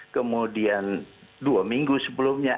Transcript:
kemudian dua minggu sebelumnya